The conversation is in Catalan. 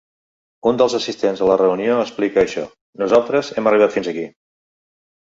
Un dels assistents a la reunió explica això: Nosaltres hem arribat fins aquí.